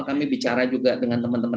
kami bicara juga dengan teman teman